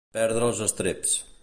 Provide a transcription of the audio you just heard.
Perdre els estreps.